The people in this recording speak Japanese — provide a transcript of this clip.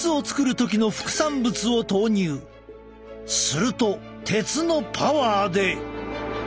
すると鉄のパワーで。